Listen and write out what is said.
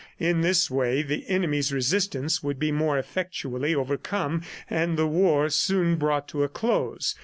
In this way, the enemy's resistance would be more effectually overcome and the war soon brought to a close.